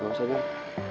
gak usah bang